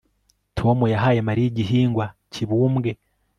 Tom yahaye Mariya igihingwa kibumbwe